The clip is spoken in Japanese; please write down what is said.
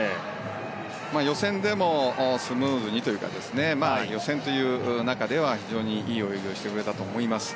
予選でもスムーズにというか予選という中では非常にいい泳ぎをしてくれたと思います。